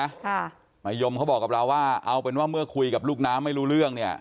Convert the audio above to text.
ค่ะมะยมเขาบอกกับเราว่าเอาเป็นว่าเมื่อคุยกับลูกน้ำไม่รู้เรื่องเนี้ย